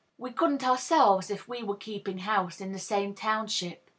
We couldn't ourselves, if we were keeping house in the same township.